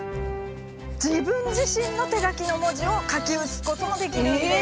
自分自身の手書きの文字を書き写すこともできるんです。